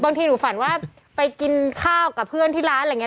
บางทีหนูฝันว่าไปกินข้าวกับเพื่อนที่ร้านอะไรอย่างนี้